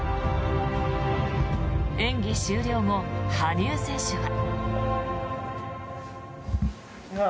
演技終了後、羽生選手は。